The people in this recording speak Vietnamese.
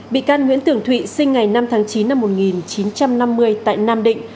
bị can nguyễn tưởng thụy sinh ngày năm tháng chín năm một nghìn chín trăm năm mươi tại nam định